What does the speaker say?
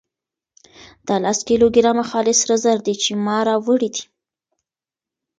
دا لس کيلو ګرامه خالص سره زر دي چې ما راوړي دي.